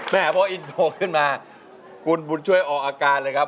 พออินโทรขึ้นมาคุณบุญช่วยออกอาการเลยครับ